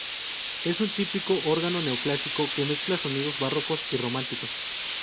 Es un típico órgano neoclásico que mezcla sonidos barrocos y románticos.